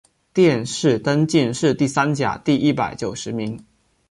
殿试登进士第三甲第一百九十名。